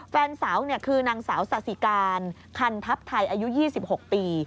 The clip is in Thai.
แฟนสาวคือนางสาวสาธิการคันทัพไทยอายุ๒๖ปี